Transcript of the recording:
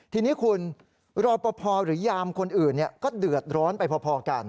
ทีนี้คุณรอปภหรือยามคนอื่นก็เดือดร้อนไปพอกัน